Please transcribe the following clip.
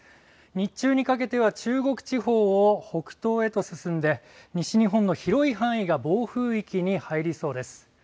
日中にかけては中国地方を北東へと進んで西日本の広い範囲が暴風域に入りそうです。